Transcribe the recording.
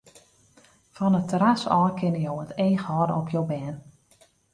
Fan it terras ôf kinne jo it each hâlde op jo bern.